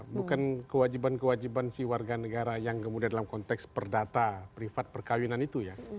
bukan kewajiban kewajiban si warga negara yang kemudian dalam konteks perdata privat perkawinan itu ya